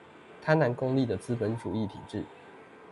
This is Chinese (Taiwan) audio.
貪婪功利的資本主義體制